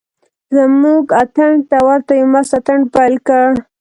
زموږ اتڼ ته ورته یو مست اتڼ پیل کړ.